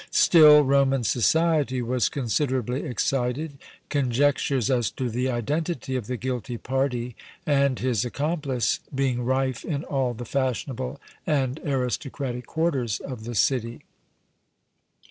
Still Roman society was considerably excited, conjectures as to the identity of the guilty party and his accomplice being rife in all the fashionable and aristocratic quarters of the city.